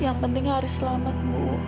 yang penting haris selamat ibu